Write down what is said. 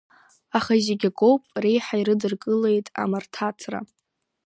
Аха зегь акоуп реиҳа ирыдыркылеит амарҭаҭра.